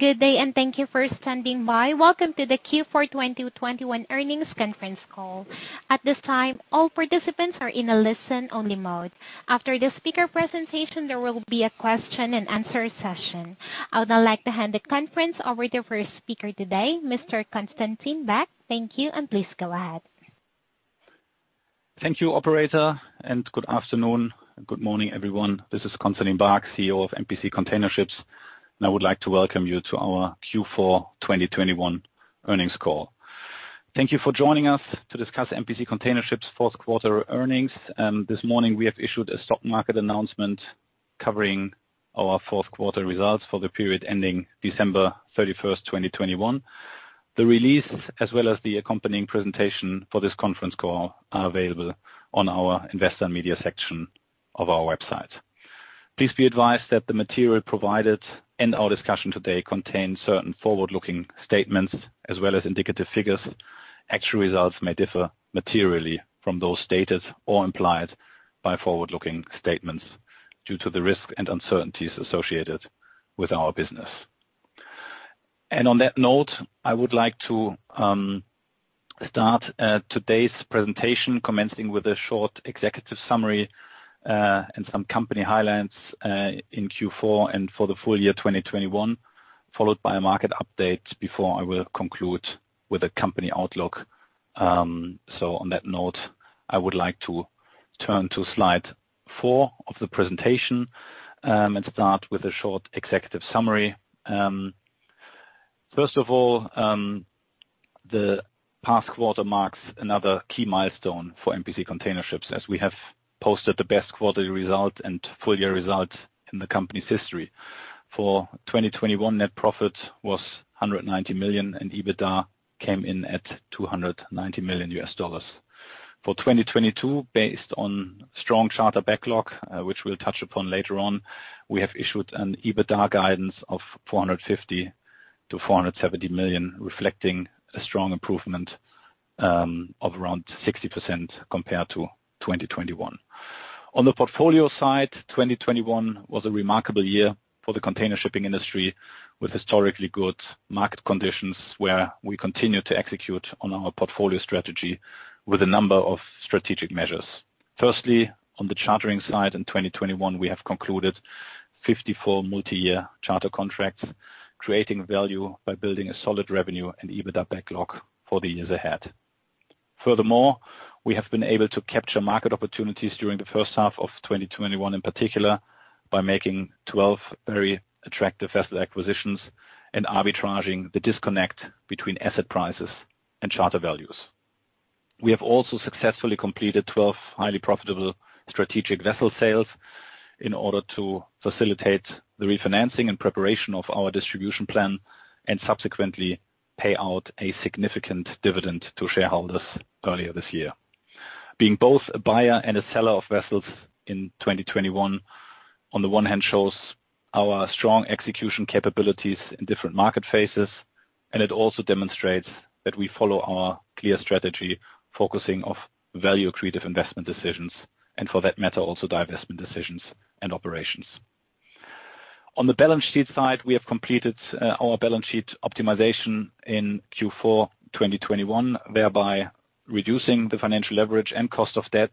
Good day, thank you for standing by. Welcome to the Q4 2021 earnings conference call. At this time, all participants are in a listen-only mode. After the speaker presentation, there will be a question and answer session. I would now like to hand the conference over to our first speaker today, Mr. Constantin Baack. Thank you, and please go ahead. Thank you operator, and good afternoon and good morning, everyone. This is Constantin Baack, CEO of MPC Container Ships, and I would like to welcome you to our Q4 2021 earnings call. Thank you for joining us to discuss MPC Container Ships Q4 earnings. This morning we have issued a stock market announcement covering our Q4 results for the period ending December 31, 2021. The release, as well as the accompanying presentation for this conference call, are available on our investor and media section of our website. Please be advised that the material provided in our discussion today contains certain forward-looking statements as well as indicative figures. Actual results may differ materially from those stated or implied by forward-looking statements due to the risks and uncertainties associated with our business. On that note, I would like to start today's presentation commencing with a short executive summary and some company highlights in Q4 and for the full year 2021, followed by a market update before I will conclude with a company outlook. On that note, I would like to turn to slide four of the presentation and start with a short executive summary. First of all, the past quarter marks another key milestone for MPC Container Ships, as we have posted the best quarterly result and full year result in the company's history. For 2021 net profit was $190 million, and EBITDA came in at $290 million. For 2022, based on strong charter backlog, which we'll touch upon later on, we have issued an EBITDA guidance of $450 to 470 million, reflecting a strong improvement of around 60% compared to 2021. On the portfolio side, 2021 was a remarkable year for the container shipping industry, with historically good market conditions where we continued to execute on our portfolio strategy with a number of strategic measures. Firstly, on the chartering side in 2021, we have concluded 54 multi-year charter contracts, creating value by building a solid revenue and EBITDA backlog for the years ahead. Furthermore, we have been able to capture market opportunities during the H1 of 2021 in particular by making 12 very attractive vessel acquisitions and arbitraging the disconnect between asset prices and charter values. We have also successfully completed 12 highly profitable strategic vessel sales in order to facilitate the refinancing and preparation of our distribution plan and subsequently pay out a significant dividend to shareholders earlier this year. Being both a buyer and a seller of vessels in 2021, on the one hand shows our strong execution capabilities in different market phases, and it also demonstrates that we follow our clear strategy focusing on value-creative investment decisions, and for that matter, also divestment decisions and operations. On the balance sheet side, we have completed our balance sheet optimization in Q4 2021, thereby reducing the financial leverage and cost of debt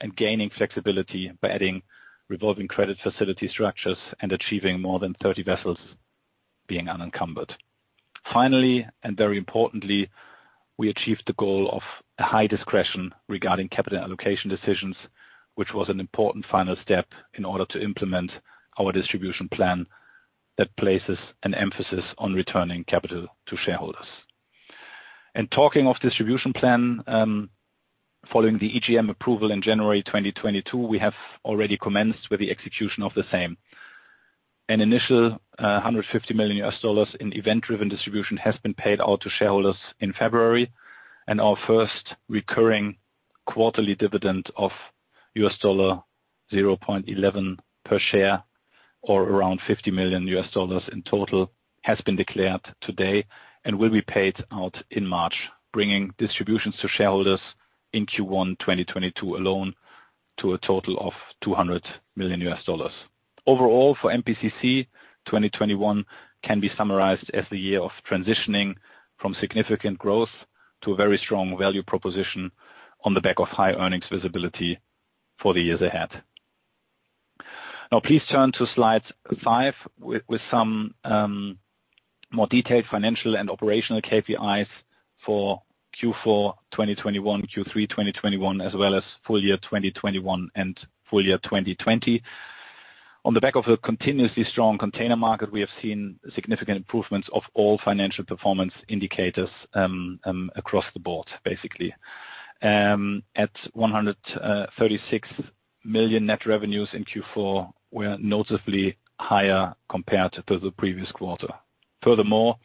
and gaining flexibility by adding revolving credit facility structures and achieving more than 30 vessels being unencumbered. Finally, and very importantly, we achieved the goal of a high discretion regarding capital allocation decisions, which was an important final step in order to implement our distribution plan that places an emphasis on returning capital to shareholders. Talking of distribution plan, following the EGM approval in January 2022, we have already commenced with the execution of the same. An initial, $150 million in event-driven distribution has been paid out to shareholders in February. Our first recurring quarterly dividend of $0.11 per share, or around $50 million in total, has been declared today and will be paid out in March, bringing distributions to shareholders in Q1 2022 alone to a total of $200 million. Overall, for MPCC, 2021 can be summarized as the year of transitioning from significant growth to a very strong value proposition on the back of high earnings visibility for the years ahead. Now please turn to slide five with some more detailed financial and operational KPIs for Q4 2021, Q3 2021, as well as full year 2021 and full year 2020. On the back of a continuously strong container market, we have seen significant improvements of all financial performance indicators across the board, basically. At $136 million net revenues in Q4 were noticeably higher compared to the previous quarter. Furthermore,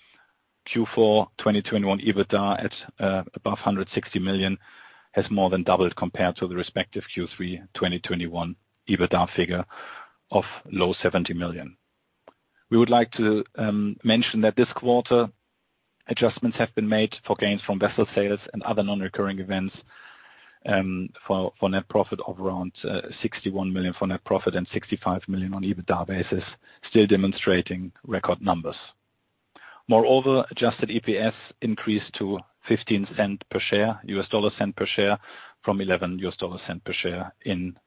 Q4 2021 EBITDA at above $160 million has more than doubled compared to the respective Q3 2021 EBITDA figure of low $70 million. Adjustments have been made for gains from vessel sales and other non-recurring events for net profit of around $61 million for net profit and $65 million on EBITDA basis, still demonstrating record numbers. Moreover, adjusted EPS increased to $0.15 per share from $0.11 per share in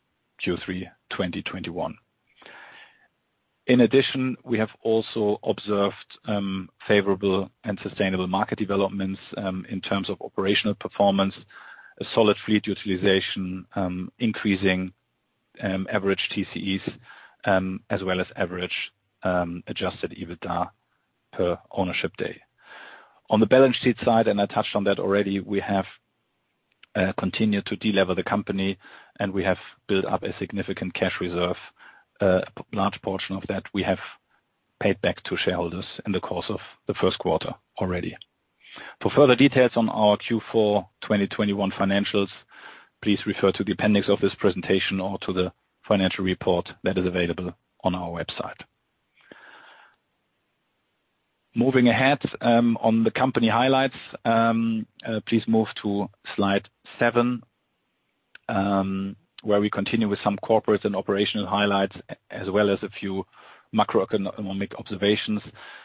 Q3 2021. In addition, we have also observed favorable and sustainable market developments in terms of operational performance, a solid fleet utilization, increasing average TCEs, as well as average adjusted EBITDA per ownership day. On the balance sheet side, I touched on that already, we have continued to de-lever the company, and we have built up a significant cash reserve. Large portion of that we have paid back to shareholders in the course of the Q1 already. For further details on our Q4 2021 financials, please refer to the appendix of this presentation or to the financial report that is available on our website. Moving ahead, on the company highlights, please move to slide seven, where we continue with some corporate and operational highlights as well as a few macroeconomic observations,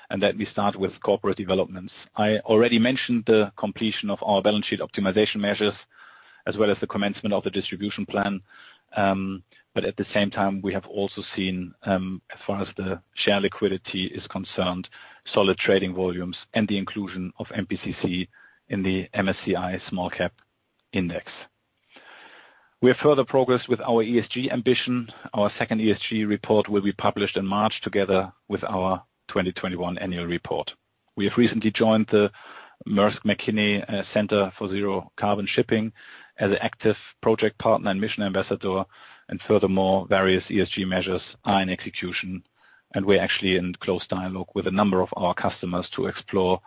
and let me start with corporate developments. I already mentioned the completion of our balance sheet optimization measures, as well as the commencement of the distribution plan. At the same time, we have also seen, as far as the share liquidity is concerned, solid trading volumes and the inclusion of MPCC in the MSCI Small Cap Index. We have further progressed with our ESG ambition. Our second ESG report will be published in March together with our 2021 annual report. We have recently joined the Mærsk Mc-Kinney Center for Zero Carbon Shipping as an active project partner and mission ambassador. Furthermore, various ESG measures are in execution, and we're actually in close dialogue with a number of our customers to explore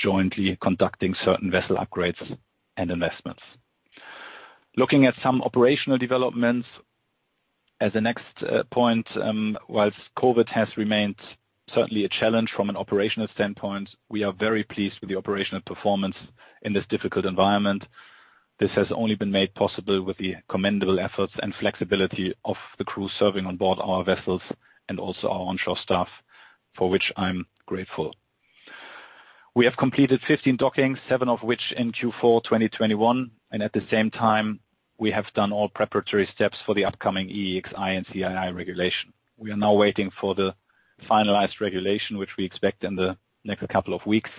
jointly conducting certain vessel upgrades and investments. Looking at some operational developments as a next point, while COVID has remained certainly a challenge from an operational standpoint, we are very pleased with the operational performance in this difficult environment. This has only been made possible with the commendable efforts and flexibility of the crew serving on board our vessels and also our onshore staff, for which I'm grateful. We have completed 15 dockings, seven of which in Q4 2021, and at the same time, we have done all preparatory steps for the upcoming EEXI and CII regulation. We are now waiting for the finalized regulation, which we expect in the next couple of weeks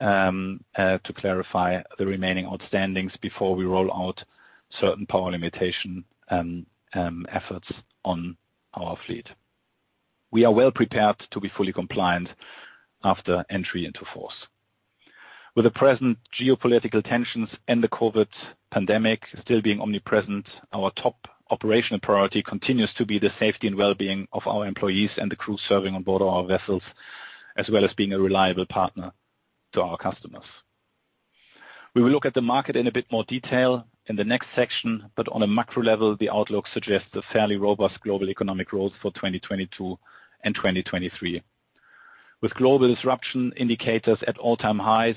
to clarify the remaining outstandings before we roll out certain power limitation efforts on our fleet. We are well prepared to be fully compliant after entry into force. With the present geopolitical tensions and the COVID pandemic still being omnipresent, our top operational priority continues to be the safety and well-being of our employees and the crew serving on board our vessels, as well as being a reliable partner to our customers. We will look at the market in a bit more detail in the next section, but on a macro level, the outlook suggests a fairly robust global economic growth for 2022 and 2023. With global disruption indicators at all-time highs,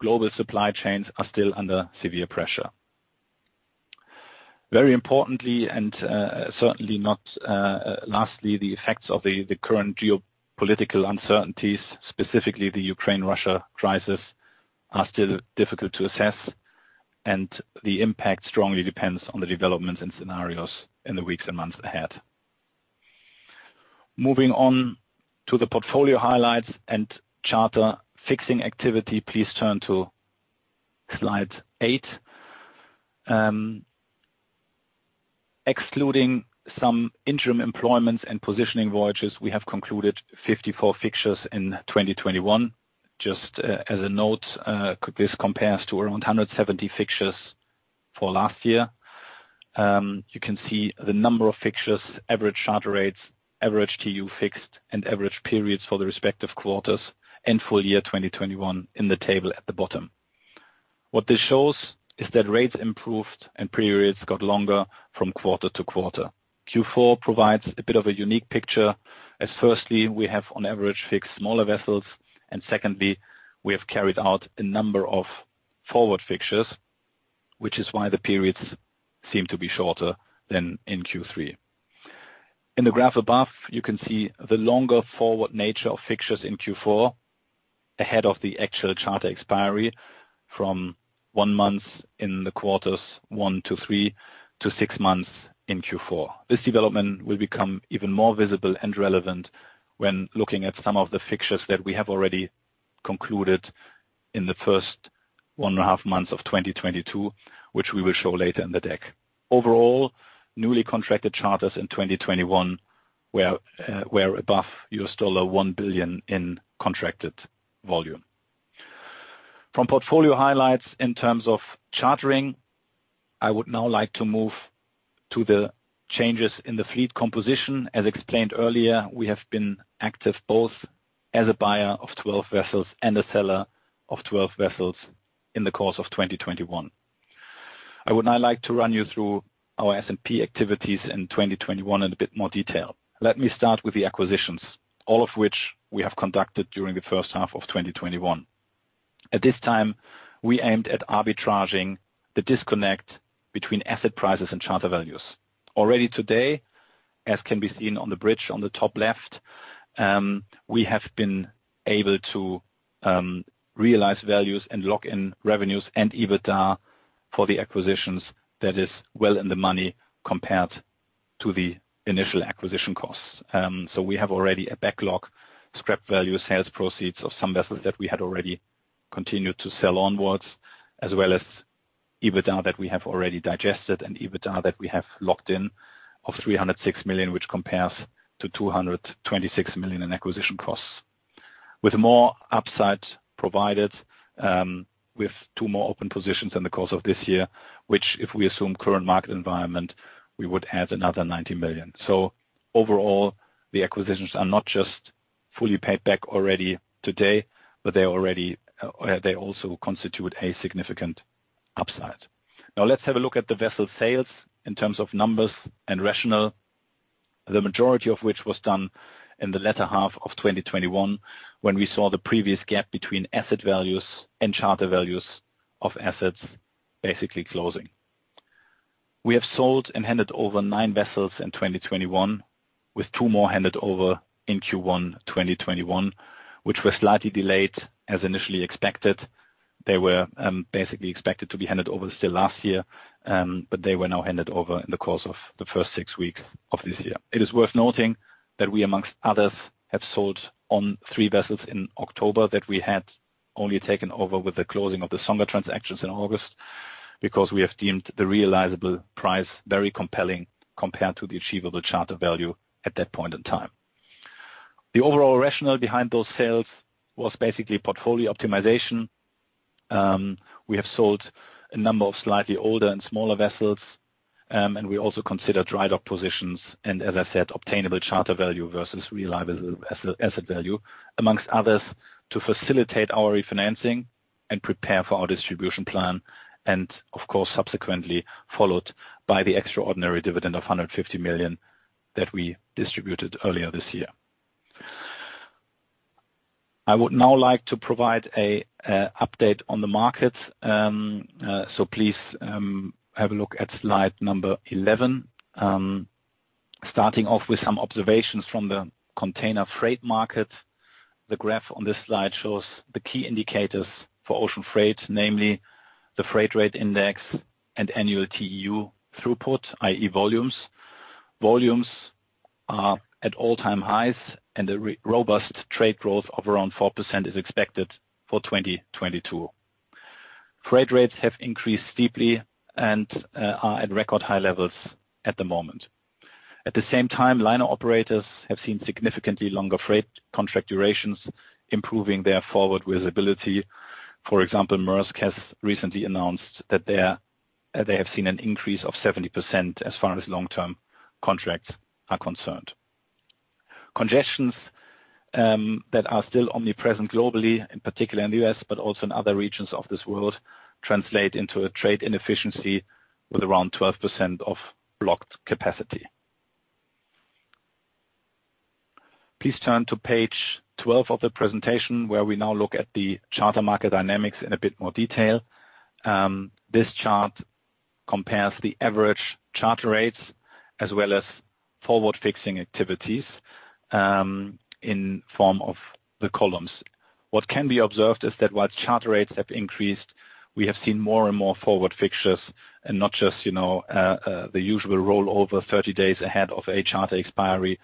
global supply chains are still under severe pressure. Very importantly, and certainly not lastly, the effects of the current geopolitical uncertainties, specifically the Ukraine-Russia crisis, are still difficult to assess, and the impact strongly depends on the developments and scenarios in the weeks and months ahead. Moving on to the portfolio highlights and charter fixing activity, please turn to slide eight. Excluding some interim employments and positioning voyages, we have concluded 54 fixtures in 2021. Just as a note, this compares to around 170 fixtures for last year. You can see the number of fixtures, average charter rates, average TEU fixed, and average periods for the respective quarters and full year 2021 in the table at the bottom. What this shows is that rates improved and periods got longer from quarter to quarter. Q4 provides a bit of a unique picture as firstly, we have on average fixed smaller vessels, and secondly, we have carried out a number of forward fixtures, which is why the periods seem to be shorter than in Q3. In the graph above, you can see the longer forward nature of fixtures in Q4 ahead of the actual charter expiry from one month in the quarters one to three to six months in Q4. This development will become even more visible and relevant when looking at some of the fixtures that we have already concluded in the first one and a half months of 2022, which we will show later in the deck. Overall, newly contracted charters in 2021 were above $1 billion in contracted volume. From portfolio highlights in terms of chartering, I would now like to move to the changes in the fleet composition. As explained earlier, we have been active both as a buyer of 12 vessels and a seller of 12 vessels in the course of 2021. I would now like to run you through our S&P activities in 2021 in a bit more detail. Let me start with the acquisitions, all of which we have conducted during the H1 of 2021. At this time, we aimed at arbitraging the disconnect between asset prices and charter values. Already today, as can be seen on the bridge on the top left, we have been able to realize values and lock in revenues and EBITDA for the acquisitions that is well in the money compared to the initial acquisition costs. We have already a backlog scrap value sales proceeds of some vessels that we had already continued to sell onwards, as well as EBITDA that we have already digested and EBITDA that we have locked in of $306 million, which compares to $226 million in acquisition costs. With more upside provided, with two more open positions in the course of this year, which if we assume current market environment, we would add another $90 million. Overall, the acquisitions are not just fully paid back already today, but they already, they also constitute a significant upside. Now let's have a look at the vessel sales in terms of numbers and rationale, the majority of which was done in the H2 of 2021, when we saw the previous gap between asset values and charter values of assets basically closing. We have sold and handed over nine vessels in 2021, with 2 more handed over in Q1 2021, which were slightly delayed as initially expected. They were basically expected to be handed over still last year, but they were now handed over in the course of the first six weeks of this year. It is worth noting that we, among others, have sold three vessels in October that we had only taken over with the closing of the Songa transactions in August, because we have deemed the realizable price very compelling compared to the achievable charter value at that point in time. The overall rationale behind those sales was basically portfolio optimization. We have sold a number of slightly older and smaller vessels, and we also consider drydock positions, and as I said, obtainable charter value versus realizable asset value, among others, to facilitate our refinancing and prepare for our distribution plan. Of course, subsequently followed by the extraordinary dividend of $150 million that we distributed earlier this year. I would now like to provide an update on the market. So please have a look at slide 11. Starting off with some observations from the container freight market. The graph on this slide shows the key indicators for ocean freight, namely the freight rate index and annual TEU throughput, i.e., volumes. Volumes are at all-time highs, and a rather robust trade growth of around 4% is expected for 2022. Freight rates have increased steeply and are at record high levels at the moment. At the same time, liner operators have seen significantly longer freight contract durations, improving their forward visibility. For example, Maersk has recently announced that they have seen an increase of 70% as far as long-term contracts are concerned. Congestions that are still omnipresent globally, in particular in the U.S., but also in other regions of this world, translate into a trade inefficiency with around 12% of blocked capacity. Please turn to page 12 of the presentation, where we now look at the charter market dynamics in a bit more detail. This chart compares the average charter rates as well as forward fixing activities in form of the columns. What can be observed is that while charter rates have increased, we have seen more and more forward fixtures and not just, you know, the usual rollover 30 days ahead of a charter expiry,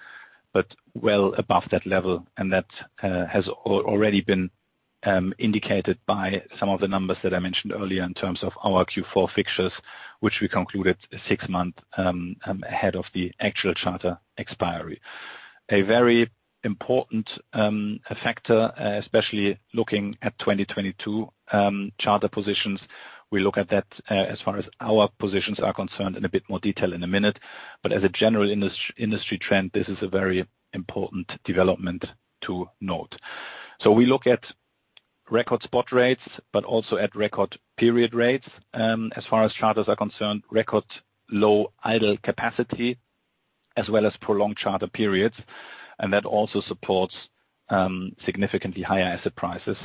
but well above that level. That has already been indicated by some of the numbers that I mentioned earlier in terms of our Q4 fixtures, which we concluded six months ahead of the actual charter expiry. A very important factor, especially looking at 2022 charter positions. We look at that, as far as our positions are concerned in a bit more detail in a minute. As a general industry trend, this is a very important development to note. We look at record spot rates, but also at record period rates. As far as charters are concerned, record low idle capacity, as well as prolonged charter periods. That also supports significantly higher asset prices.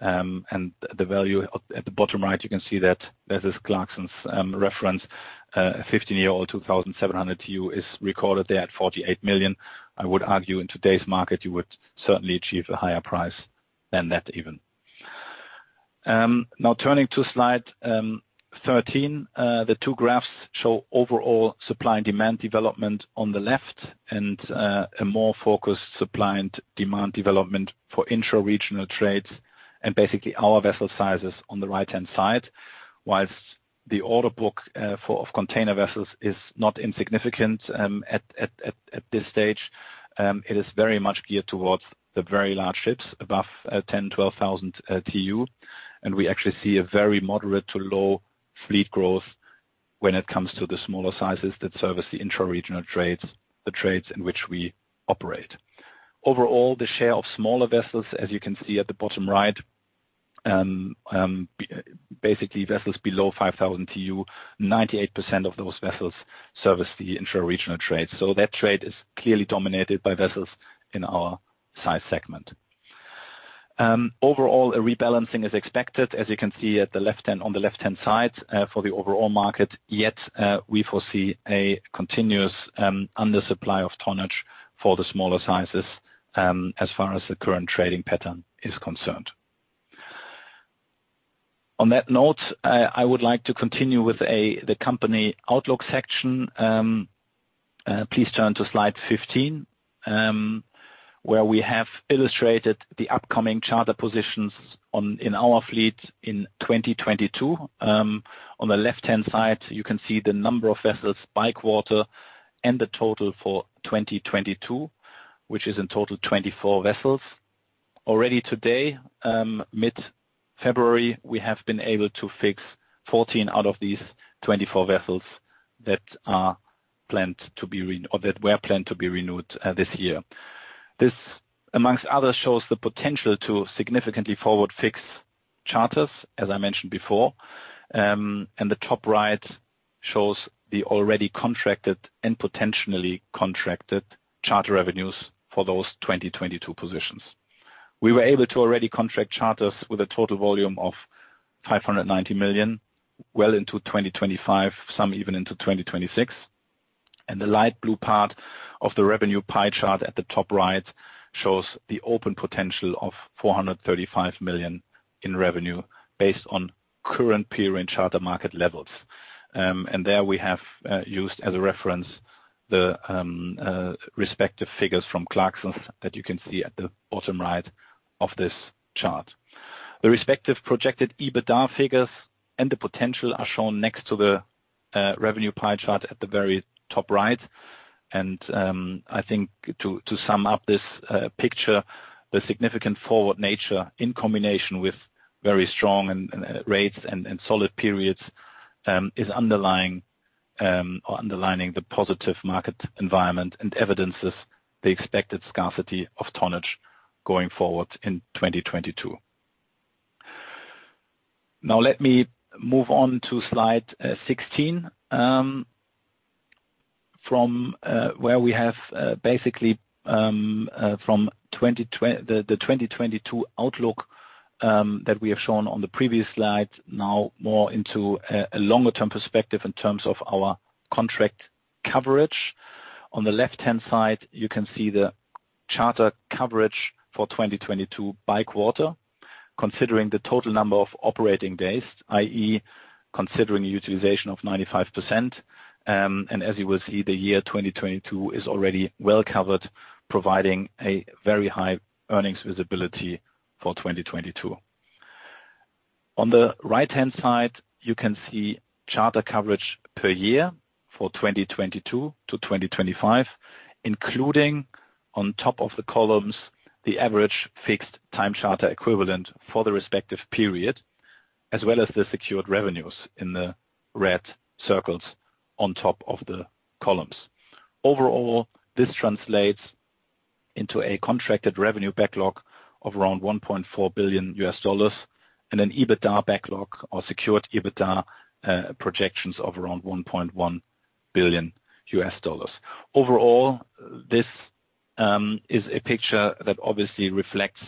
The value at the bottom right, you can see that this is Clarkson's reference, a 15-year-old, 2,700 TEU is recorded there at $48 million. I would argue in today's market, you would certainly achieve a higher price than that even. Now turning to slide 13. The two graphs show overall supply and demand development on the left and a more focused supply and demand development for intra-regional trades, and basically our vessel sizes on the right-hand side. While the order book for container vessels is not insignificant at this stage, it is very much geared towards the very large ships above 10, 12,000 TEU. We actually see a very moderate to low fleet growth when it comes to the smaller sizes that service the intra-regional trades, the trades in which we operate. Overall, the share of smaller vessels, as you can see at the bottom right, basically vessels below 5,000 TEU, 98% of those vessels service the intra-regional trade. That trade is clearly dominated by vessels in our size segment. Overall, a rebalancing is expected, as you can see on the left-hand side, for the overall market. Yet, we foresee a continuous, undersupply of tonnage for the smaller sizes, as far as the current trading pattern is concerned. On that note, I would like to continue with the company outlook section. Please turn to slide 15, where we have illustrated the upcoming charter positions in our fleet in 2022. On the left-hand side, you can see the number of vessels by quarter and the total for 2022, which is in total 24 vessels. Already today, mid-February, we have been able to fix 14 out of these 24 vessels that were planned to be renewed, this year. This, amongst other, shows the potential to significantly forward fix charters, as I mentioned before. The top right shows the already contracted and potentially contracted charter revenues for those 2022 positions. We were able to already contract charters with a total volume of $590 million well into 2025, some even into 2026. The light blue part of the revenue pie chart at the top right shows the open potential of $435 million in revenue based on current period charter market levels. There we have used as a reference the respective figures from Clarksons that you can see at the bottom right of this chart. The respective projected EBITDA figures and the potential are shown next to the revenue pie chart at the very top right. I think to sum up this picture, the significant forward nature in combination with very strong rates and solid periods is underlining the positive market environment and evidences the expected scarcity of tonnage going forward in 2022. Now let me move on to slide 16, from the 2022 outlook that we have shown on the previous slide, now more into a longer-term perspective in terms of our contract coverage. On the left-hand side, you can see the charter coverage for 2022 by quarter, considering the total number of operating days, i.e. considering utilization of 95%. As you will see, the year 2022 is already well covered, providing a very high earnings visibility for 2022. On the right-hand side, you can see charter coverage per year for 2022 to 2025, including on top of the columns, the average fixed time charter equivalent for the respective period, as well as the secured revenues in the red circles on top of the columns. Overall, this translates into a contracted revenue backlog of around $1.4 billion and an EBITDA backlog or secured EBITDA projections of around $1.1 billion. Overall, this is a picture that obviously reflects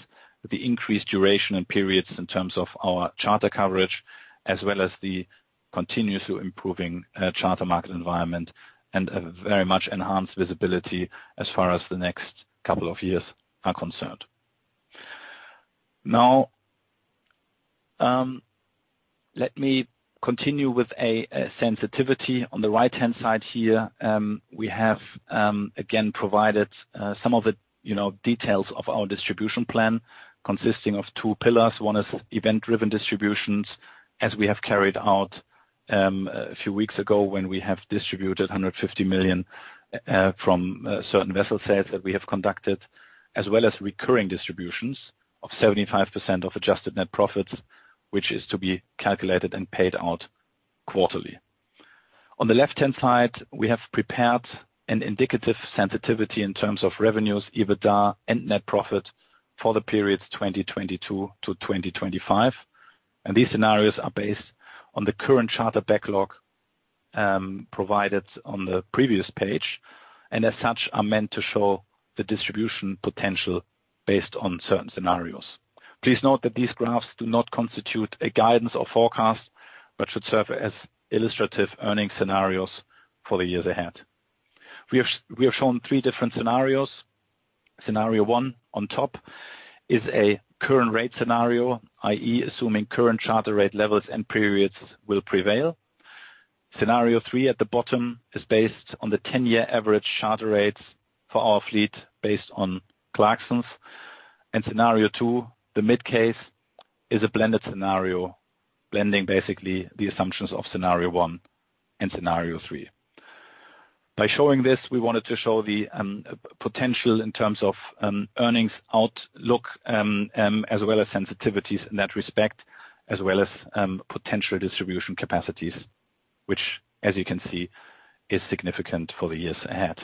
the increased duration and periods in terms of our charter coverage, as well as the continuous improving charter market environment and a very much enhanced visibility as far as the next couple of years are concerned. Now, let me continue with a sensitivity. On the right-hand side here, we have again provided some of the, you know, details of our distribution plan consisting of two pillars. One is event-driven distributions, as we have carried out a few weeks ago when we have distributed $150 million from certain vessel sales that we have conducted, as well as recurring distributions of 75% of adjusted net profits, which is to be calculated and paid out quarterly. On the left-hand side, we have prepared an indicative sensitivity in terms of revenues, EBITDA and net profit for the periods 2022 to 2025. These scenarios are based on the current charter backlog provided on the previous page, and as such, are meant to show the distribution potential based on certain scenarios. Please note that these graphs do not constitute a guidance or forecast, but should serve as illustrative earning scenarios for the years ahead. We have shown three different scenarios. Scenario one on top is a current rate scenario, i.e., assuming current charter rate levels and periods will prevail. Scenario three at the bottom is based on the 10-year average charter rates for our fleet based on Clarksons. Scenario two, the mid case, is a blended scenario, blending basically the assumptions of scenario one and scenario three. By showing this, we wanted to show the potential in terms of earnings outlook, as well as sensitivities in that respect, as well as potential distribution capacities, which, as you can see, is significant for the years ahead.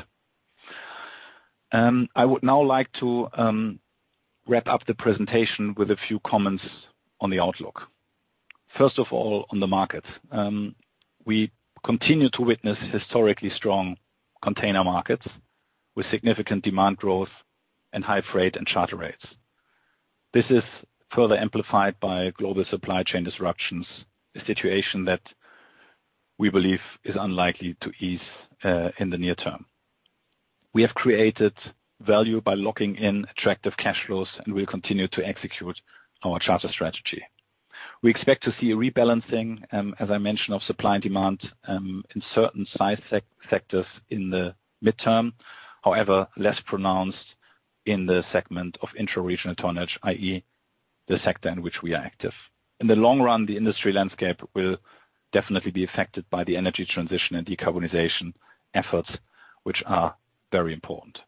I would now like to wrap up the presentation with a few comments on the outlook. First of all, on the market. We continue to witness historically strong container markets with significant demand growth and high freight and charter rates. This is further amplified by global supply chain disruptions, a situation that we believe is unlikely to ease in the near term. We have created value by locking in attractive cash flows, and we continue to execute our charter strategy. We expect to see a rebalancing, as I mentioned, of supply and demand in certain size sectors in the midterm, however, less pronounced in the segment of intra-regional tonnage, i.e., the sector in which we are active. In the long run, the industry landscape will definitely be affected by the energy transition and decarbonization efforts, which are very important.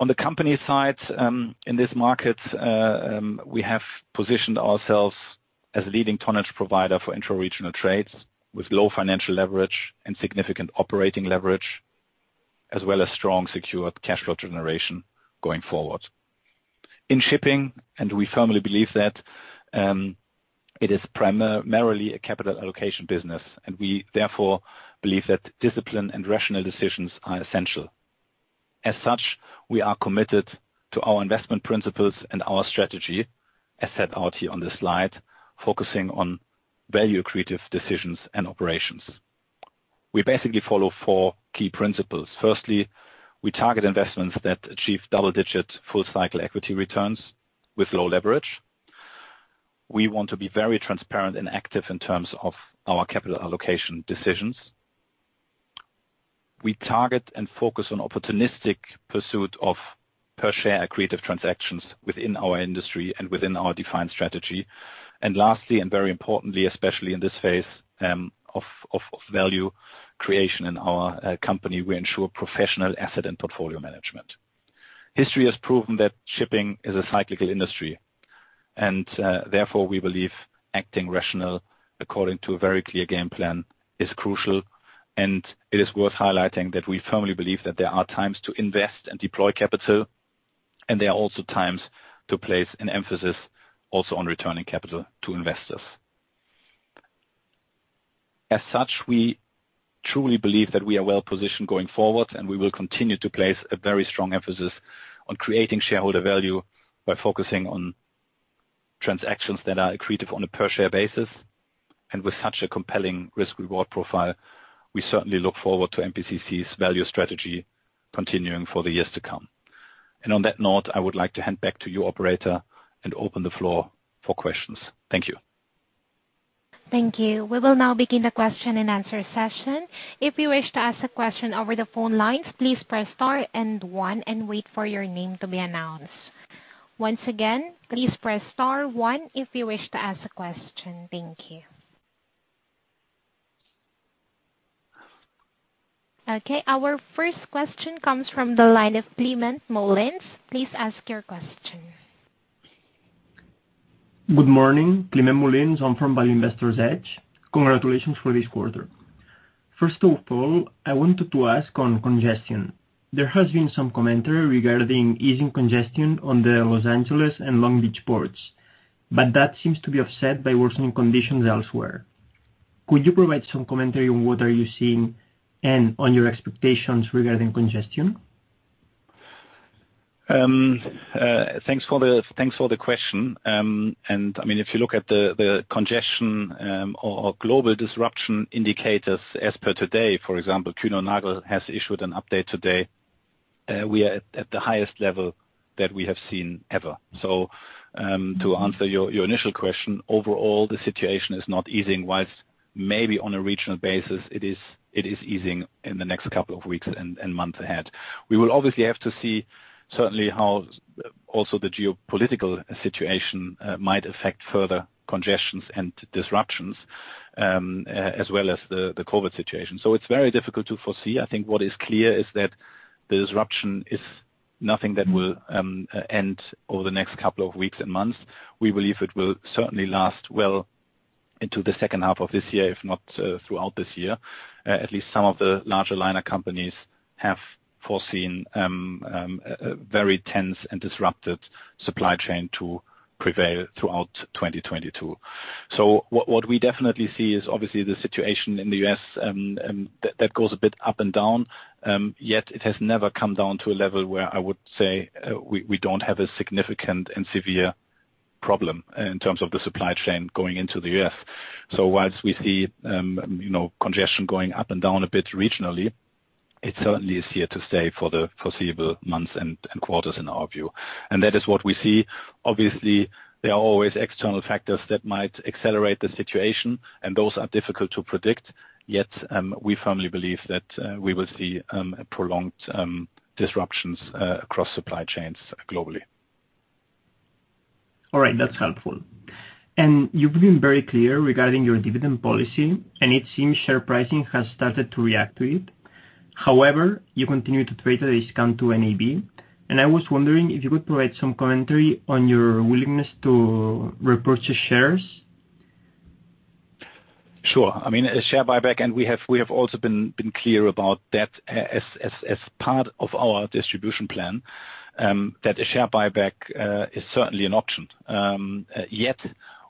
On the company side, in this market, we have positioned ourselves as a leading tonnage provider for intra-regional trades with low financial leverage and significant operating leverage, as well as strong secured cash flow generation going forward. In shipping, we firmly believe that it is primarily a capital allocation business, and we therefore believe that discipline and rational decisions are essential. As such, we are committed to our investment principles and our strategy, as set out here on this slide, focusing on value-accretive decisions and operations. We basically follow four key principles. Firstly, we target investments that achieve double-digit full cycle equity returns with low leverage. We want to be very transparent and active in terms of our capital allocation decisions. We target and focus on opportunistic pursuit of per-share accretive transactions within our industry and within our defined strategy. Lastly, and very importantly, especially in this phase of value creation in our company, we ensure professional asset and portfolio management. History has proven that shipping is a cyclical industry, and therefore, we believe acting rational according to a very clear game plan is crucial. It is worth highlighting that we firmly believe that there are times to invest and deploy capital, and there are also times to place an emphasis also on returning capital to investors. As such, we truly believe that we are well-positioned going forward, and we will continue to place a very strong emphasis on creating shareholder value by focusing on transactions that are accretive on a per share basis. With such a compelling risk reward profile, we certainly look forward to MPCC's value strategy continuing for the years to come. On that note, I would like to hand back to you operator and open the floor for questions. Thank you. Thank you. We will now begin the question and answer session. If you wish to ask a question over the phone lines, please press star and one, and wait for your name to be announced. Once again, please press star one if you wish to ask a question. Thank you. Okay, our first question comes from the line of Climent Molins. Please ask your question. Good morning, Climent Molins. I'm from Value Investor's Edge. Congratulations for this quarter. First of all, I wanted to ask on congestion. There has been some commentary regarding easing congestion on the Los Angeles and Long Beach ports, but that seems to be offset by worsening conditions elsewhere. Could you provide some commentary on what are you seeing and on your expectations regarding congestion? Thanks for the question. I mean, if you look at the congestion or global disruption indicators as per today, for example, Kuehne+Nagel has issued an update today. We are at the highest level that we have seen ever. To answer your initial question, overall, the situation is not easing, while maybe on a regional basis, it is easing in the next couple of weeks and months ahead. We will obviously have to see certainly how also the geopolitical situation might affect further congestions and disruptions, as well as the COVID situation. It's very difficult to foresee. I think what is clear is that the disruption is nothing that will end over the next couple of weeks and months. We believe it will certainly last well into the H2 of this year, if not, throughout this year. At least some of the larger liner companies have foreseen a very tense and disrupted supply chain to prevail throughout 2022. What we definitely see is obviously the situation in the U.S., that goes a bit up and down. Yet it has never come down to a level where I would say, we don't have a significant and severe problem in terms of the supply chain going into the U.S. Whilst we see, you know, congestion going up and down a bit regionally, it certainly is here to stay for the foreseeable months and quarters in our view. That is what we see. Obviously, there are always external factors that might accelerate the situation, and those are difficult to predict. Yet, we firmly believe that we will see a prolonged disruptions across supply chains globally. All right. That's helpful. You've been very clear regarding your dividend policy, and it seems share pricing has started to react to it. However, you continue to trade at a discount to NAV. I was wondering if you could provide some commentary on your willingness to repurchase shares. Sure. I mean, a share buyback, and we have also been clear about that as part of our distribution plan, that a share buyback is certainly an option.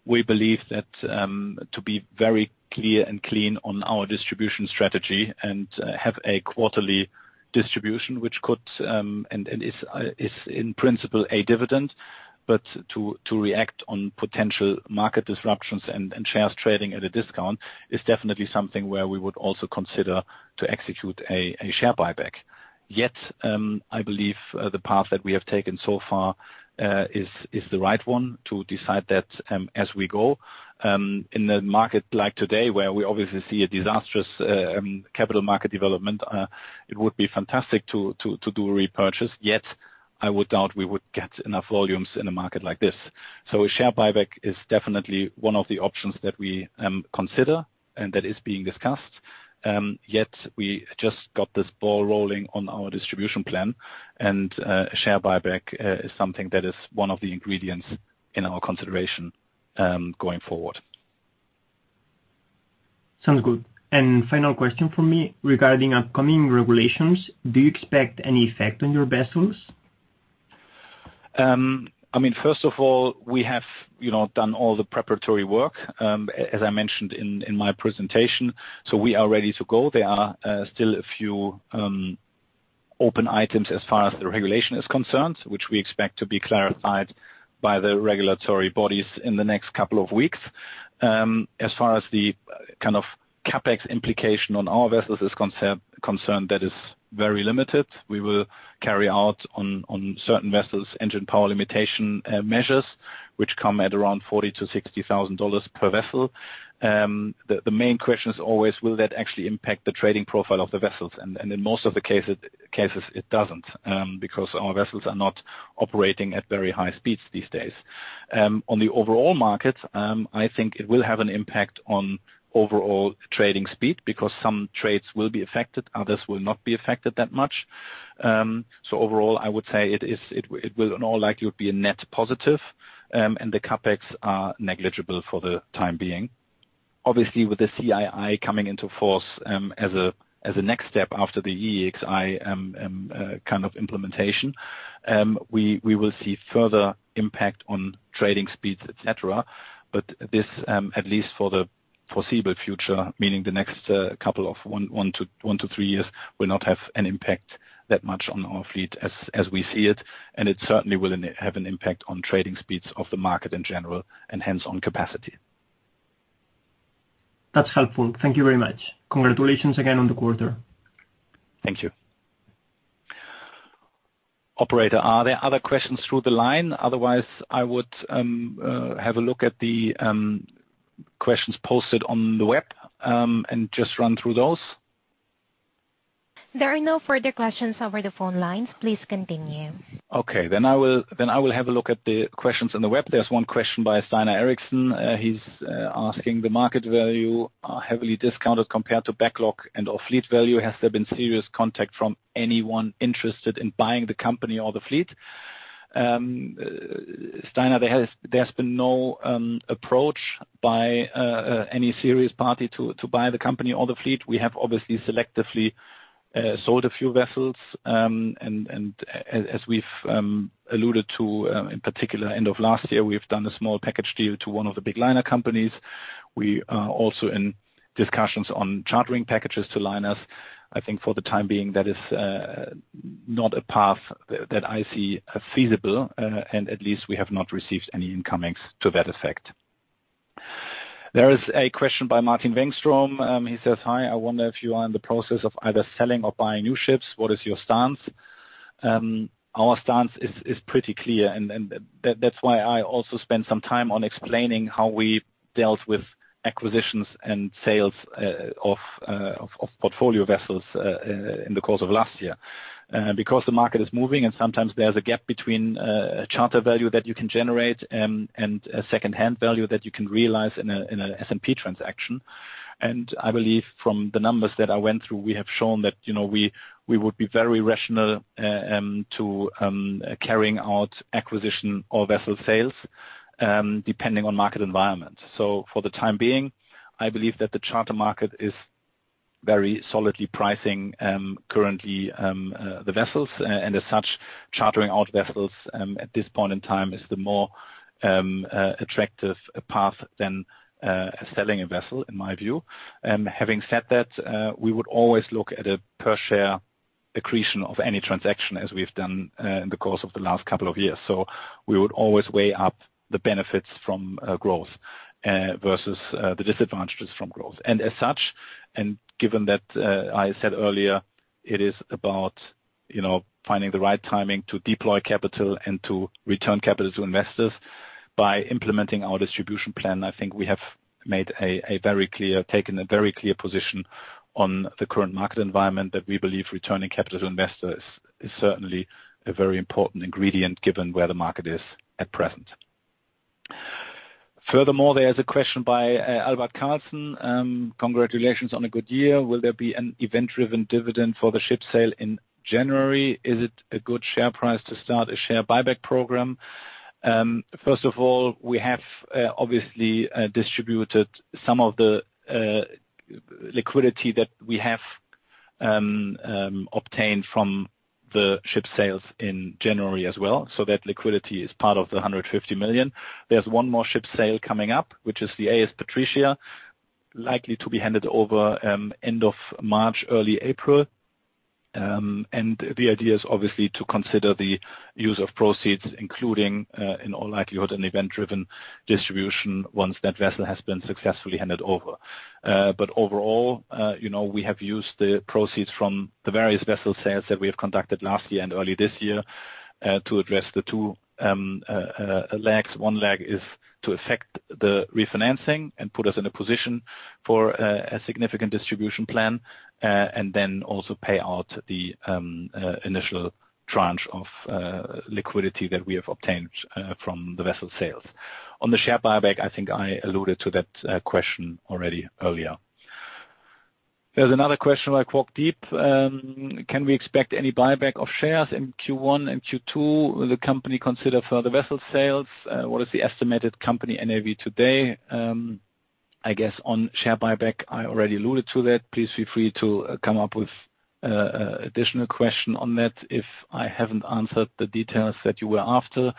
We believe that to be very clear and clean on our distribution strategy and have a quarterly distribution which could and is in principle a dividend, but to react on potential market disruptions and shares trading at a discount is definitely something where we would also consider to execute a share buyback. I believe the path that we have taken so far is the right one to decide that, as we go. In a market like today where we obviously see a disastrous capital market development, it would be fantastic to do a repurchase, yet I would doubt we would get enough volumes in a market like this. A share buyback is definitely one of the options that we consider and that is being discussed, yet we just got this ball rolling on our distribution plan, and a share buyback is something that is one of the ingredients in our consideration going forward. Sounds good. Final question from me regarding upcoming regulations, do you expect any effect on your vessels? I mean, first of all, we have, you know, done all the preparatory work, as I mentioned in my presentation, so we are ready to go. There are still a few open items as far as the regulation is concerned, which we expect to be clarified by the regulatory bodies in the next couple of weeks. As far as the kind of CapEx implication on our vessels is concerned, that is very limited. We will carry out on certain vessels engine power limitation measures which come at around $40,000 to 60,000 per vessel. The main question is always will that actually impact the trading profile of the vessels? In most of the cases it doesn't, because our vessels are not operating at very high speeds these days. On the overall market, I think it will have an impact on overall trading speed because some trades will be affected, others will not be affected that much. So overall, I would say it will in all likelihood be a net positive, and the CapEx are negligible for the time being. Obviously, with the CII coming into force, as a next step after the EEXI, kind of implementation, we will see further impact on trading speeds, et cetera. But this, at least for the foreseeable future, meaning the next couple of one to three years, will not have an impact that much on our fleet as we see it, and it certainly will have an impact on trading speeds of the market in general and hence on capacity. That's helpful. Thank you very much. Congratulations again on the quarter. Thank you. Operator, are there other questions through the line? Otherwise, I would have a look at the questions posted on the web and just run through those. There are no further questions over the phone lines. Please continue. Okay. I will have a look at the questions on the web. There's one question by [Steinar Eriksen]. He's asking the market value heavily discounted compared to backlog and/or fleet value. Has there been serious contact from anyone interested in buying the company or the fleet? [Steinar], there has been no approach by any serious party to buy the company or the fleet. We have obviously selectively sold a few vessels, and as we've alluded to, in particular end of last year, we've done a small package deal to one of the big liner companies. We are also in discussions on chartering packages to liners. I think for the time being, that is, not a path that I see feasible, and at least we have not received any inquiries to that effect. There is a question by [Martin Bergström]. He says, "Hi. I wonder if you are in the process of either selling or buying new ships. What is your stance?" Our stance is pretty clear and that is why I also spent some time on explaining how we dealt with acquisitions and sales of portfolio vessels in the course of last year. Because the market is moving and sometimes there is a gap between a charter value that you can generate and a secondhand value that you can realize in a S&P transaction. I believe from the numbers that I went through, we have shown that, you know, we would be very rational to carrying out acquisition or vessel sales, depending on market environment. For the time being, I believe that the charter market is very solidly pricing currently the vessels. And as such, chartering out vessels at this point in time is the more attractive path than selling a vessel, in my view. Having said that, we would always look at a per share accretion of any transaction as we've done in the course of the last couple of years. We would always weigh up the benefits from growth versus the disadvantages from growth. As such, given that I said earlier, it is about, you know, finding the right timing to deploy capital and to return capital to investors by implementing our distribution plan, I think we have taken a very clear position on the current market environment that we believe returning capital to investors is certainly a very important ingredient given where the market is at present. Furthermore, there is a question by [Albert Carlsen]. Congratulations on a good year. Will there be an event-driven dividend for the ship sale in January? Is it a good share price to start a share buyback program? First of all, we have obviously distributed some of the liquidity that we have obtained from the ship sales in January as well, so that liquidity is part of the $150 million. There's one more ship sale coming up, which is the AS Patricia, likely to be handed over end of March, early April. The idea is obviously to consider the use of proceeds, including in all likelihood, an event-driven distribution once that vessel has been successfully handed over. Overall, you know, we have used the proceeds from the various vessel sales that we have conducted last year and early this year to address the two legs. One leg is to effect the refinancing and put us in a position for a significant distribution plan, and then also pay out the initial tranche of liquidity that we have obtained from the vessel sales. On the share buyback, I think I alluded to that question already earlier. There's another question by [Kwok Deep]. Can we expect any buyback of shares in Q1 and Q2? Will the company consider further vessel sales? What is the estimated company NAV today? I guess on share buyback, I already alluded to that. Please feel free to come up with additional question on that if I haven't answered the details that you were after.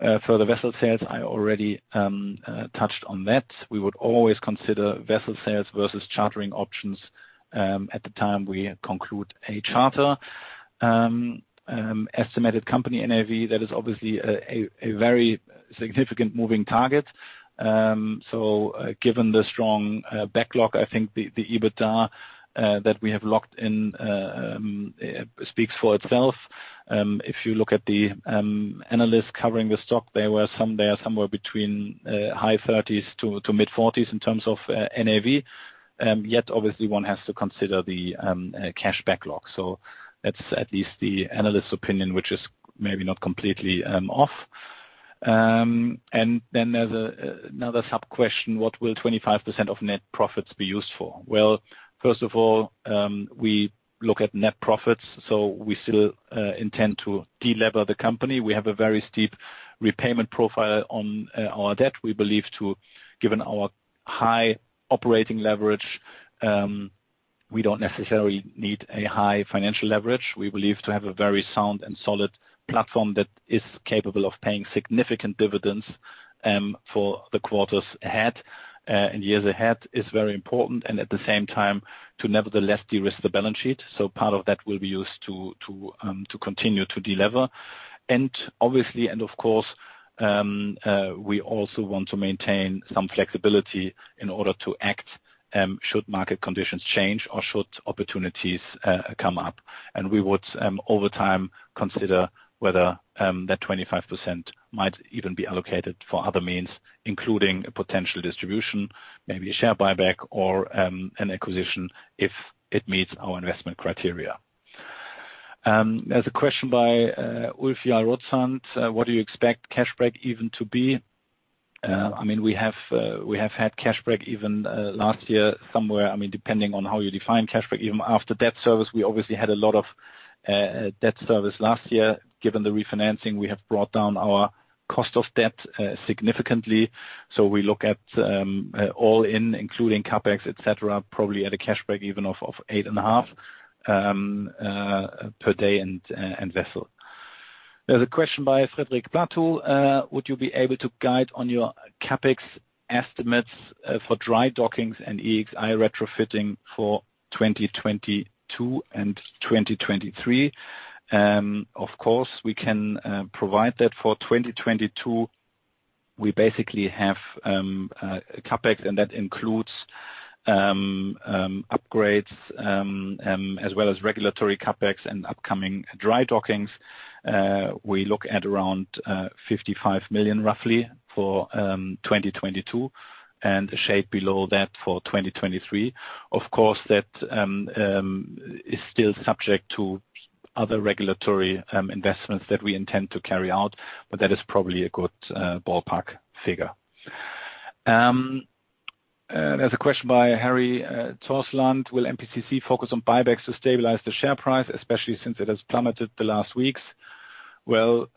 For the vessel sales, I already touched on that. We would always consider vessel sales versus chartering options at the time we conclude a charter. Estimated company NAV, that is obviously a very significant moving target. Given the strong backlog, I think the EBITDA that we have locked in speaks for itself. If you look at the analysts covering the stock, they are somewhere between high 30s to mid-40s in terms of NAV. Yet, obviously one has to consider the cash backlog. That's at least the analyst's opinion, which is maybe not completely off. There's another sub-question. What will 25% of net profits be used for? Well, first of all, we look at net profits, so we still intend to de-lever the company. We have a very steep repayment profile on our debt. We believe, given our high operating leverage, we don't necessarily need a high financial leverage. We believe to have a very sound and solid platform that is capable of paying significant dividends for the quarters ahead and years ahead is very important, and at the same time, to nevertheless de-risk the balance sheet. Part of that will be used to continue to de-lever. Obviously, of course, we also want to maintain some flexibility in order to act should market conditions change or should opportunities come up. We would over time consider whether that 25% might even be allocated for other means, including a potential distribution, maybe a share buyback or an acquisition if it meets our investment criteria. There's a question by [Ulf Rødsholt]. What do you expect cash break even to be? I mean, we have had cash break even last year somewhere. I mean, depending on how you define cash break even. After debt service, we obviously had a lot of debt service last year. Given the refinancing, we have brought down our cost of debt significantly. We look at all-in, including CapEx, et cetera, probably at a cash break even of $8.5 per day per vessel. There's a question by Fredrik Platou. Would you be able to guide on your CapEx estimates for dry dockings and EEXI retrofitting for 2022 and 2023? Of course, we can provide that for 2022. We basically have CapEx, and that includes upgrades as well as regulatory CapEx and upcoming dry dockings. We look at around $55 million roughly for 2022 and a shade below that for 2023. Of course, that is still subject to other regulatory investments that we intend to carry out, but that is probably a good ballpark figure. There's a question by [Harry Torsland]. Will MPCC focus on buybacks to stabilize the share price, especially since it has plummeted the last weeks? Well,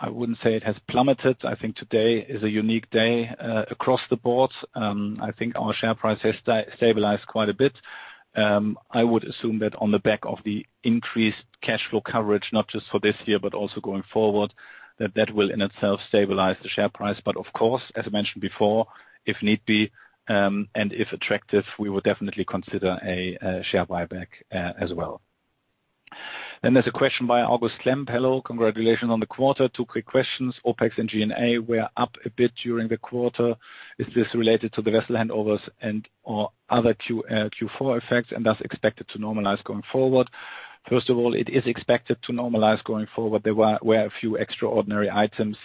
I wouldn't say it has plummeted. I think today is a unique day across the board. I think our share price has stabilized quite a bit. I would assume that on the back of the increased cash flow coverage, not just for this year, but also going forward, that will in itself stabilize the share price. Of course, as mentioned before, if need be, and if attractive, we would definitely consider a share buyback, as well. There's a question by [August Klemp]. Hello. Congratulations on the quarter. Two quick questions. OpEx and G&A were up a bit during the quarter. Is this related to the vessel handovers and, or other Q4 effects and thus expected to normalize going forward? First of all, it is expected to normalize going forward. There were a few extraordinary items,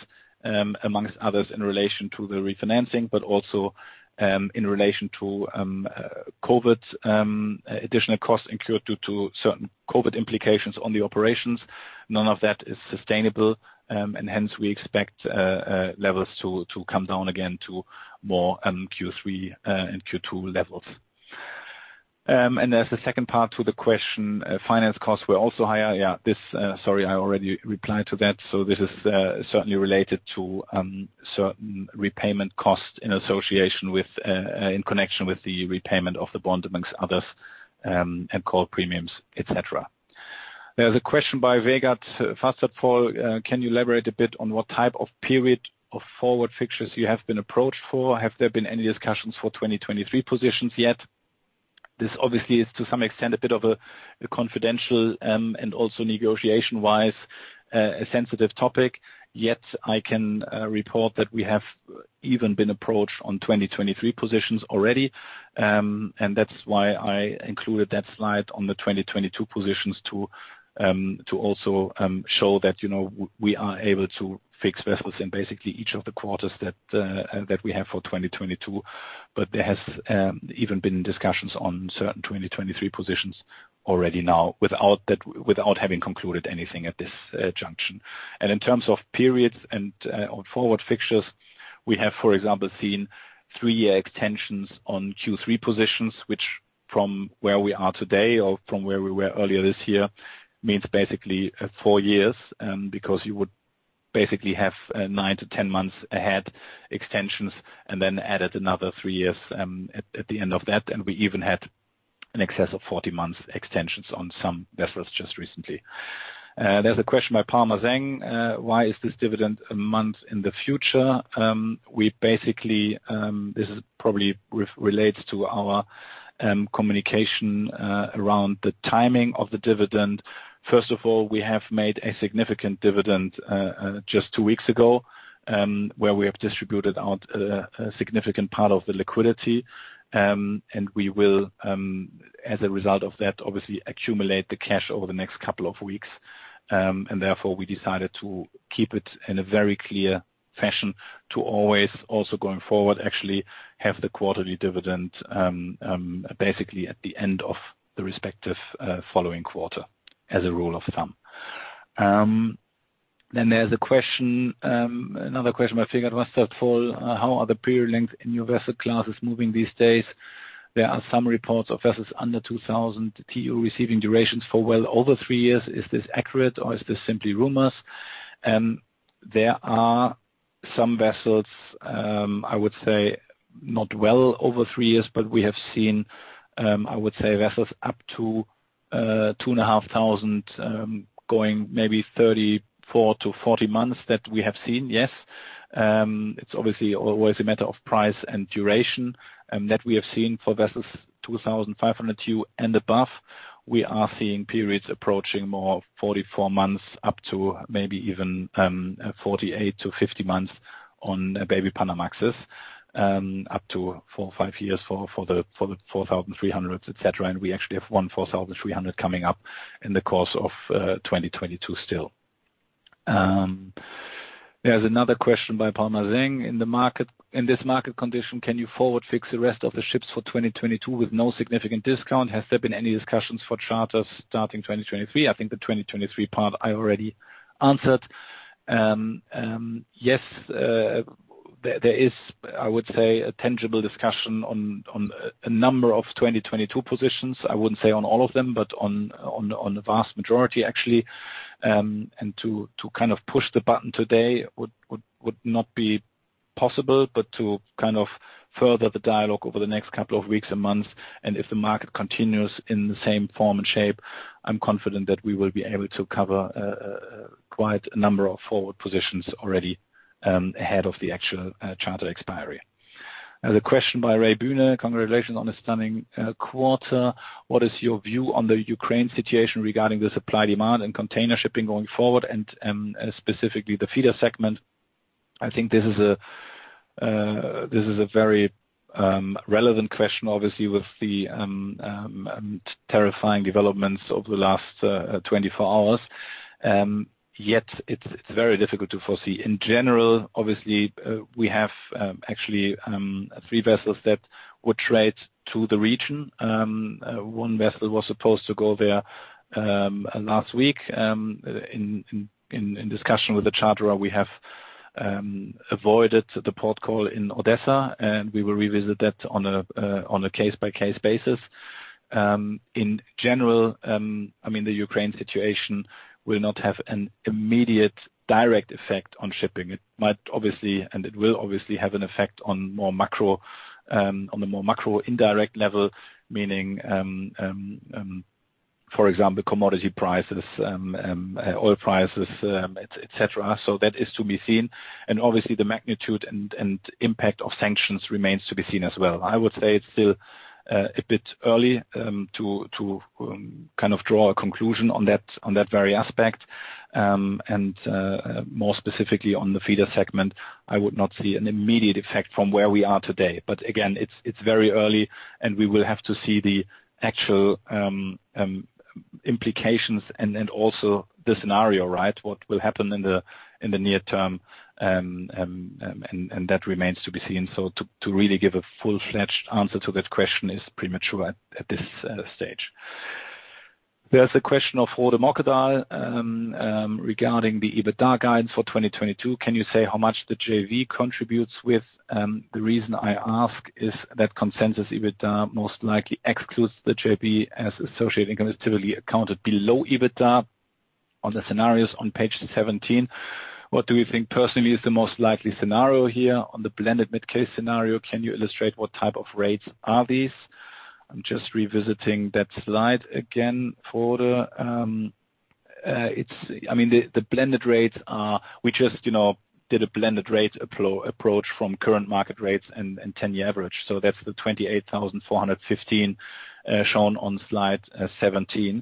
among others in relation to the refinancing, but also, in relation to, COVID, additional costs incurred due to certain COVID implications on the operations. None of that is sustainable, and hence we expect, levels to come down again to more, Q3, and Q2 levels. As the second part to the question, finance costs were also higher. Yeah, this, sorry, I already replied to that. This is certainly related to certain repayment costs in association with, in connection with the repayment of the bond, among others, and call premiums, et cetera. There's a question by [Vegard Vevstad]. Can you elaborate a bit on what type of period of forward fixtures you have been approached for? Have there been any discussions for 2023 positions yet? This obviously is to some extent a bit of a confidential and also negotiation-wise a sensitive topic. Yet I can report that we have even been approached on 2023 positions already. That's why I included that slide on the 2022 positions to also show that, you know, we are able to fix vessels in basically each of the quarters that we have for 2022. There has even been discussions on certain 2023 positions already now, without that, without having concluded anything at this junction. In terms of periods and on forward fixtures, we have, for example, seen three-year extensions on Q3 positions, which from where we are today or from where we were earlier this year, means basically four years, because you would basically have nine to 10 months ahead extensions, and then added another three years at the end of that. We even had in excess of 40 months extensions on some vessels just recently. There's a question by Palmer Zhang. Why is this dividend a month in the future? We basically, this is probably relates to our communication around the timing of the dividend. First of all, we have made a significant dividend just two weeks ago, where we have distributed out a significant part of the liquidity. We will, as a result of that, obviously accumulate the cash over the next couple of weeks. Therefore, we decided to keep it in a very clear fashion to always also going forward, actually have the quarterly dividend basically at the end of the respective following quarter as a rule of thumb. There's a question, another question by [Vegard Vevstad]. How are the period lengths in your vessel classes moving these days? There are some reports of vessels under 2000 TEU receiving durations for well over three years. Is this accurate or is this simply rumors? There are some vessels, I would say not well over three years, but we have seen, I would say vessels up to 2500 going maybe 34 to 40 months that we have seen, yes. It's obviously always a matter of price and duration that we have seen for vessels 2500 TEU and above. We are seeing periods approaching more 44 months up to maybe even 48 to 50 months on Baby Panamax, up to four, five years for the 4300s, et cetera. We actually have one 4300 coming up in the course of 2022 still. There's another question by Palmer Zhang. In the market, in this market condition, can you forward fix the rest of the ships for 2022 with no significant discount? Has there been any discussions for charters starting 2023? I think the 2023 part I already answered. Yes, there is, I would say, a tangible discussion on a number of 2022 positions. I wouldn't say on all of them, but on the vast majority, actually. To kind of push the button today would not be possible, but to kind of further the dialogue over the next couple of weeks and months, and if the market continues in the same form and shape, I'm confident that we will be able to cover quite a number of forward positions already ahead of the actual charter expiry. There's a question by [Ray Booner]. Congratulations on a stunning quarter. What is your view on the Ukraine situation regarding the supply-demand and container shipping going forward, and specifically the feeder segment? I think this is a very relevant question, obviously, with the terrifying developments over the last 24 hours. Yet it's very difficult to foresee. In general, obviously, we have actually three vessels that would trade to the region. One vessel was supposed to go there last week, in discussion with the charterer, we have avoided the port call in Odesa, and we will revisit that on a case-by-case basis. In general, I mean, the Ukraine situation will not have an immediate direct effect on shipping. It might obviously, and it will obviously have an effect on more macro, on the more macro indirect level, meaning for example, commodity prices, oil prices, et cetera. So that is to be seen. Obviously, the magnitude and impact of sanctions remains to be seen as well. I would say it's still a bit early to kind of draw a conclusion on that on that very aspect. More specifically on the feeder segment, I would not see an immediate effect from where we are today. But again, it's very early and we will have to see the actual implications and then also the scenario, right? What will happen in the near term and that remains to be seen. So to really give a full-fledged answer to that question is premature at this stage. There's a question of [Oddvar Mikkelsen] regarding the EBITDA guidance for 2022. Can you say how much the JV contributes with? The reason I ask is that consensus EBITDA most likely excludes the JV as associated and is typically accounted below EBITDA on the scenarios on page 17. What do you think personally is the most likely scenario here on the blended mid-case scenario? Can you illustrate what type of rates are these? I'm just revisiting that slide again. The blended rates are, we just, you know, did a blended rate approach from current market rates and ten-year average. That's the 28,415 shown on slide 17.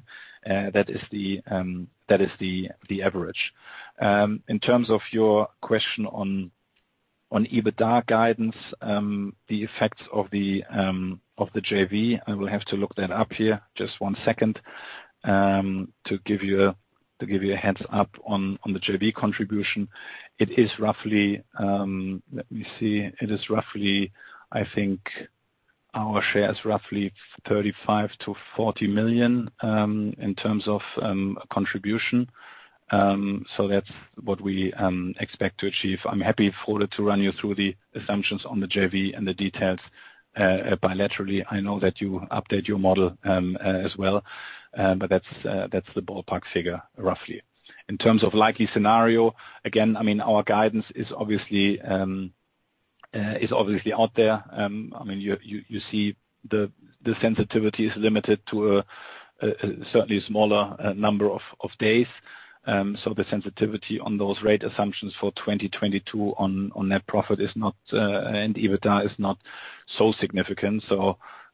That is the average. In terms of your question on EBITDA guidance, the effects of the JV, I will have to look that up here. Just one second to give you a heads up on the JV contribution. It is roughly. I think our share is roughly $35 to 40 million in terms of contribution. So that's what we expect to achieve. I'm happy, [Oddvar], to run you through the assumptions on the JV and the details bilaterally. I know that you update your model as well. That's the ballpark figure, roughly. In terms of likely scenario, again, I mean, our guidance is obviously out there. I mean, you see the sensitivity is limited to a certainly smaller number of days. The sensitivity on those rate assumptions for 2022 on net profit is not, and EBITDA is not so significant.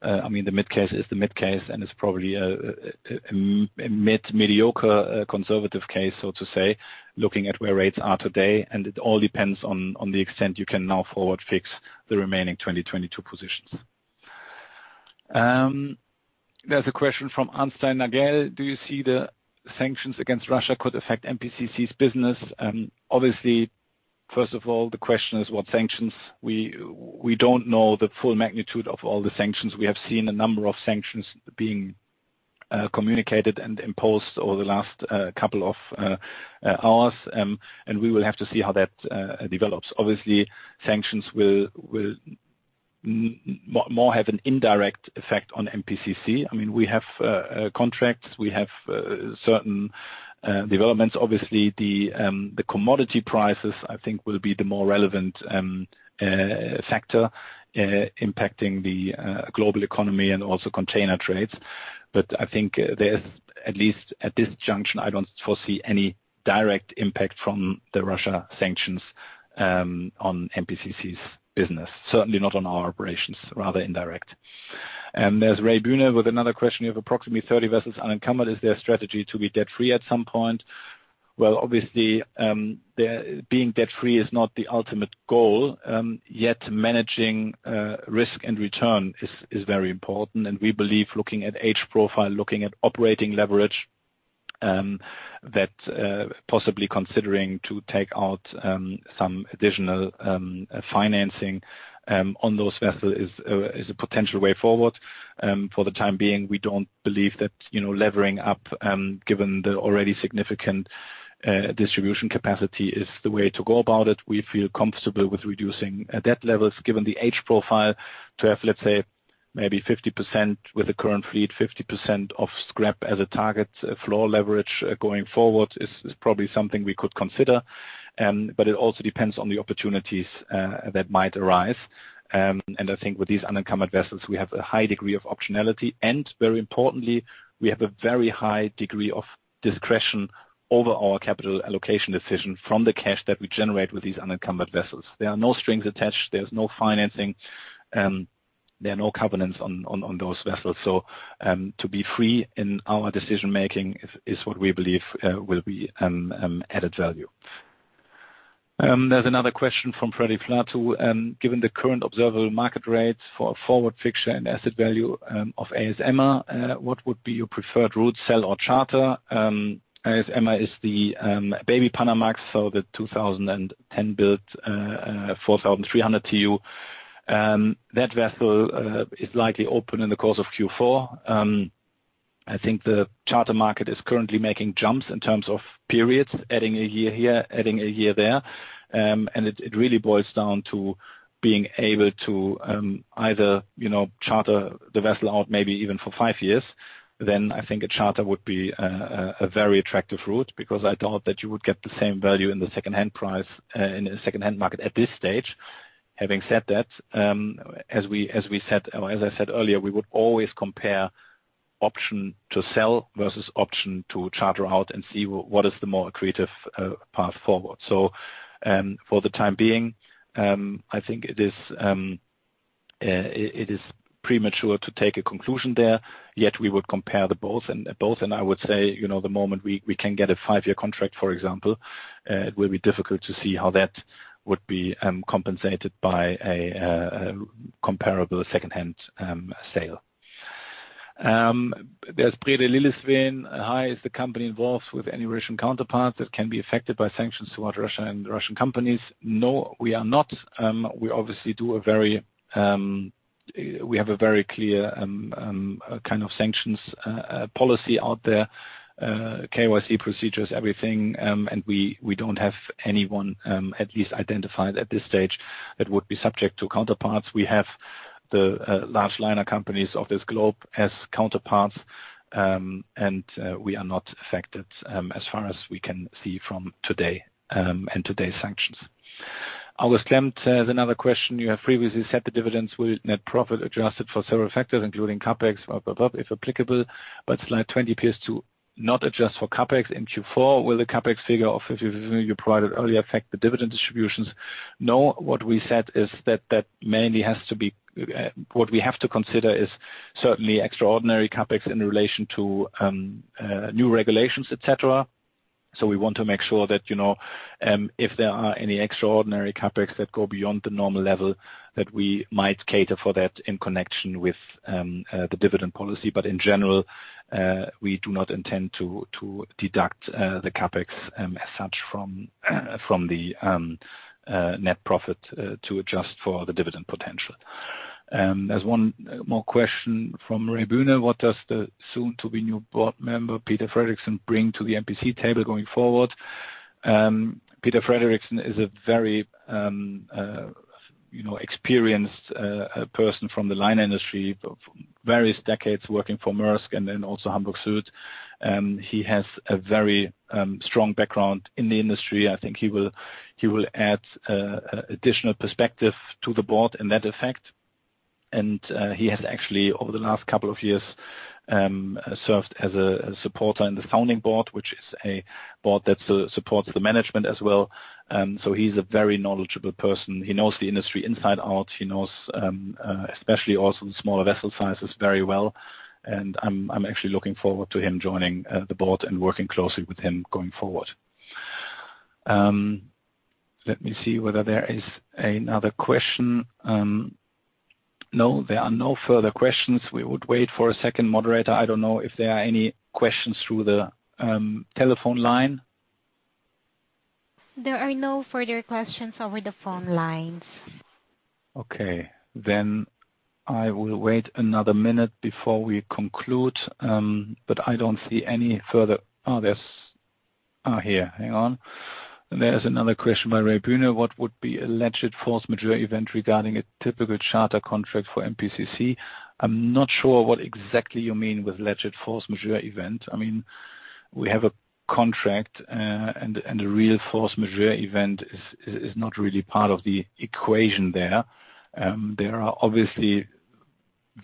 I mean, the mid-case is the mid-case, and it's probably a mid-mediocre conservative case, so to say, looking at where rates are today, and it all depends on the extent you can now forward fix the remaining 2022 positions. There's a question from Arnstein Nagel. Do you see the sanctions against Russia could affect MPCC's business? Obviously, first of all, the question is what sanctions. We don't know the full magnitude of all the sanctions. We have seen a number of sanctions being communicated and imposed over the last couple of hours. We will have to see how that develops. Obviously, sanctions will more have an indirect effect on MPCC. I mean, we have contracts, we have certain developments. Obviously, the commodity prices, I think, will be the more relevant factor impacting the global economy and also container trades. I think there's, at least at this junction, I don't foresee any direct impact from the Russia sanctions on MPCC's business. Certainly not on our operations, rather indirect. There's [Ray Booner] with another question. You have approximately 30 vessels unencumbered. Is there a strategy to be debt-free at some point? Well, obviously, the being debt-free is not the ultimate goal, yet managing risk and return is very important. We believe looking at age profile, looking at operating leverage, that possibly considering to take out some additional financing on those vessels is a potential way forward. For the time being, we don't believe that, you know, levering up, given the already significant distribution capacity is the way to go about it. We feel comfortable with reducing debt levels, given the age profile to have, let's say, maybe 50% with the current fleet, 50% of scrap as a target floor leverage going forward is probably something we could consider. It also depends on the opportunities that might arise. I think with these unencumbered vessels, we have a high degree of optionality. Very importantly, we have a very high degree of discretion over our capital allocation decision from the cash that we generate with these unencumbered vessels. There are no strings attached, there's no financing, there are no covenants on those vessels. To be free in our decision-making is what we believe will be added value. There's another question from Fredrik Platou. Given the current observable market rates for a forward fixture and asset value of AS Emma, what would be your preferred route, sell or charter? AS Emma is the baby Panamax, so the 2010-built 4300 TEU. That vessel is likely open in the course of Q4. I think the charter market is currently making jumps in terms of periods, adding a year here, adding a year there. It really boils down to being able to either, you know, charter the vessel out maybe even for five years. Then I think a charter would be a very attractive route because I doubt that you would get the same value in the secondhand price in the secondhand market at this stage. Having said that, as we said, or as I said earlier, we would always compare option to sell versus option to charter out and see what is the more accretive path forward. For the time being, I think it is premature to take a conclusion there. Yet we would compare the both, and I would say, you know, the moment we can get a five-year contract, for example, it will be difficult to see how that would be compensated by a comparable secondhand sale. There's Brede Lillesveen. Hi, is the company involved with any Russian counterparty that can be affected by sanctions toward Russia and Russian companies? No, we are not. We obviously do a very—We have a very clear kind of sanctions policy out there, KYC procedures, everything, and we don't have anyone at least identified at this stage that would be subject to counterparties. We have the large liner companies of this globe as counterparties, and we are not affected as far as we can see from today, and today's sanctions. [August Klemp] has another question: You have previously said the dividends will net profit adjusted for several factors, including CapEx, blah, blah, if applicable, but slide 20 appears to not adjust for CapEx in Q4. Will the CapEx figure of $50 million you provided earlier affect the dividend distributions? No, what we have to consider is certainly extraordinary CapEx in relation to new regulations, et cetera. We want to make sure that, you know, if there are any extraordinary CapEx that go beyond the normal level, that we might cater for that in connection with the dividend policy. In general, we do not intend to deduct the CapEx as such from the net profit to adjust for the dividend potential. There's one more question from [Ray Booner]. What does the soon-to-be new board member, Peter Frederiksen, bring to the MPC table going forward? Peter Frederiksen is a very, you know, experienced, person from the line industry, of various decades working for Maersk and then also Hamburg Süd. He has a very, strong background in the industry. I think he will add additional perspective to the board in that effect. He has actually, over the last couple of years, served as a supporter in the founding board, which is a board that supports the management as well. He's a very knowledgeable person. He knows the industry inside out. He knows, especially also the smaller vessel sizes very well. I'm actually looking forward to him joining the board and working closely with him going forward. Let me see whether there is another question. No, there are no further questions. We would wait for a second. Moderator, I don't know if there are any questions through the telephone line. There are no further questions over the phone lines. Okay. I will wait another minute before we conclude. I don't see any further. There's another question by [Ray Booner]: What would be a legit force majeure event regarding a typical charter contract for MPCC? I'm not sure what exactly you mean with legit force majeure event. I mean, we have a contract, and a real force majeure event is not really part of the equation there. There are obviously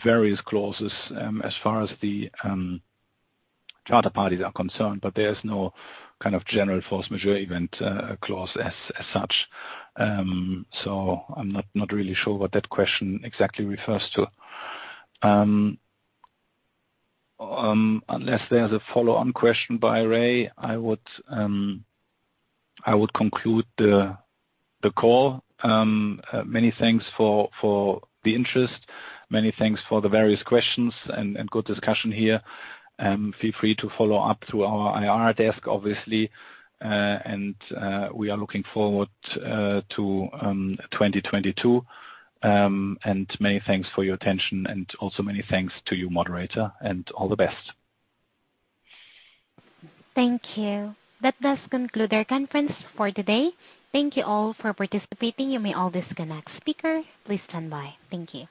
various clauses, as far as the charter parties are concerned, but there's no kind of general force majeure event clause as such. So I'm not really sure what that question exactly refers to. Unless there's a follow-on question by Ray, I would conclude the call. Many thanks for the interest. Many thanks for the various questions and good discussion here. Feel free to follow up through our IR desk, obviously. We are looking forward to 2022. Many thanks for your attention and also many thanks to you, moderator, and all the best. Thank you. That does conclude our conference for today. Thank you all for participating. You may all disconnect. Speaker, please stand by. Thank you.